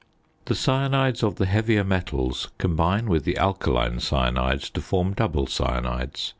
The cyanides of the heavier metals combine with the alkaline cyanides to form double cyanides.